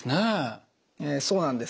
そうなんです。